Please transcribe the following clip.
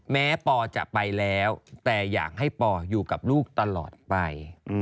ปอจะไปแล้วแต่อยากให้ปออยู่กับลูกตลอดไป